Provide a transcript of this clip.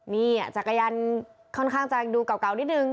นี่จักรยานค่อนข้างจะดูเก่านิดนึง